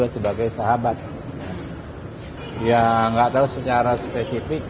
sahabat yang gak tahu secara spesifik